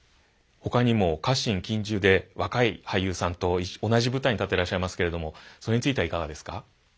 ほかにも家臣近習で若い俳優さんと同じ舞台に立ってらっしゃいますけれどもそれについてはいかがですか？